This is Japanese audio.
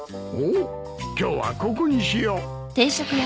今日はここにしよう。